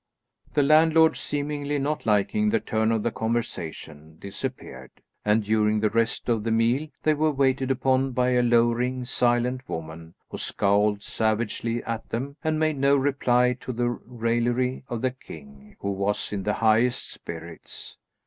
The landlord, seemingly not liking the turn of the conversation, disappeared, and during the rest of the meal they were waited upon by a lowering, silent woman, who scowled savagely at them, and made no reply to the raillery of the king, who was in the highest spirits.